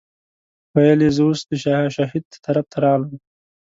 ویل یې زه اوس د شاه شهید طرف ته راغلم.